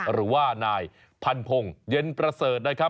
หรือว่านายพันพงศ์เย็นประเสริฐนะครับ